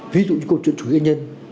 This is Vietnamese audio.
ví dụ như cột truyền chủ yếu nhân